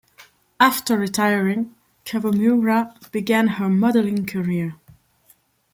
After retiring, Kawamura began her modeling career.